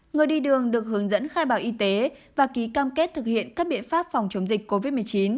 người đi đường được hướng dẫn khai báo y tế và ký cam kết thực hiện các biện pháp phòng chống dịch covid một mươi chín